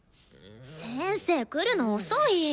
先生来るの遅い！